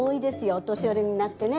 お年寄りになってねみんな。